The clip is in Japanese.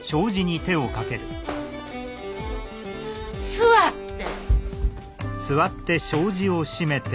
座って！